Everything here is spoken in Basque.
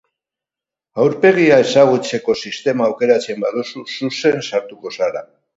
Aurpegia ezagutzeko sistema aukeratzen baduzu, zuzen sartuko zara.